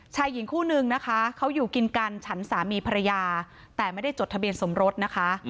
ชายหญิงคู่นึงนะคะเขาอยู่กินกันฉันสามีภรรยาแต่ไม่ได้จดทะเบียนสมรสนะคะ